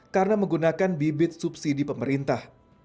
karena menggunakan bibit subsidi pemerintah